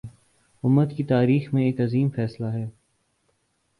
امت کی تاریخ میں ایک عظیم فیصلہ ہے